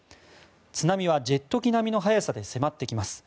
津波はジェット機並みの速さで迫ってきます。